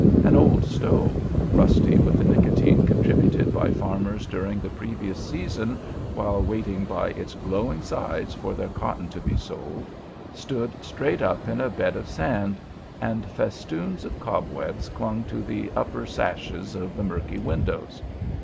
An old stove, rusty with the nicotine contributed by farmers during the previous season while waiting by its glowing sides for their cotton to be sold, stood straight up in a bed of sand, and festoons of cobwebs clung to the upper sashes of the murky windows.